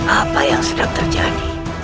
apa yang sedang terjadi